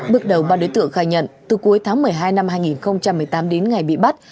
bước đầu ba đối tượng khai nhận từ cuối tháng một mươi hai năm hai nghìn một mươi tám đến ngày bị bắt